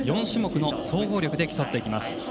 ４種目の総合力で競われます。